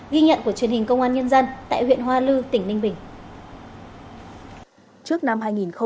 ghi nhận của truyền hình công an nhân dân tại huyện hoa lư tỉnh ninh bình